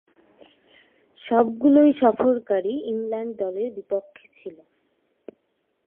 সবগুলোই সফরকারী ইংল্যান্ড দলের বিপক্ষে ছিল।